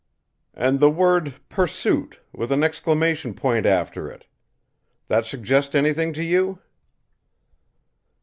"And the word 'Pursuit,' with an exclamation point after it? That suggest anything to you?"